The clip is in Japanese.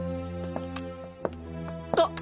あっ！？